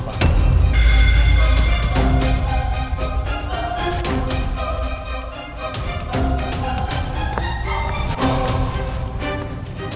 masalah itu pak